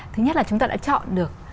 thứ nhất là chúng ta đã chọn được